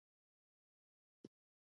ارزانه تولیدي توکو پر صادراتو ولاړ دی.